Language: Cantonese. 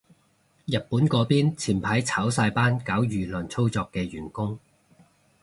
日本嗰邊前排炒晒班搞輿論操作嘅員工